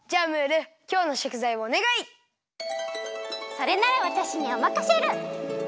それならわたしにおまかシェル！